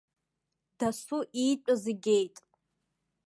Дасу иитәыз игеит.